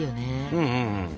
うんうんうん。